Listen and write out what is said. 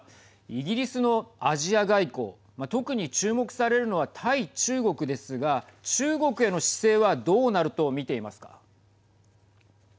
イギリスのアジア外交特に注目されるのは対中国ですが中国への姿勢はどうなると見ていますか。